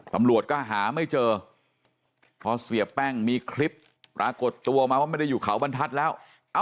ตำรวจก็หาไม่เจอพอเสียแป้งมีคลิปปรากฏตัวมาว่าไม่ได้อยู่เขาบรรทัศน์แล้ว